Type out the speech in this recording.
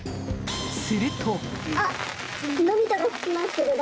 すると。